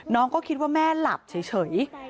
น้องก็คิดว่าแม่หลับเฉย